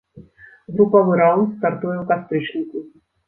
Групавы раўнд стартуе ў кастрычніку.